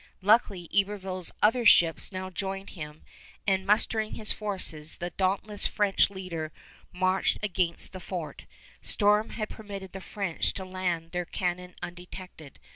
Luckily Iberville's other ships now joined him, and, mustering his forces, the dauntless French leader marched against the fort. Storm had permitted the French to land their cannon undetected.